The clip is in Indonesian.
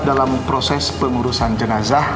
dalam proses pengurusan jenazah